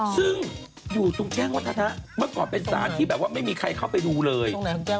ซึ่งอยู่ตรงแจ้งวัฒนะเมื่อก่อนเป็นสารที่แบบว่าไม่มีใครเข้าไปดูเลย